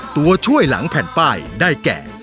ตัวช่วยหลังแผ่นป้ายได้แก่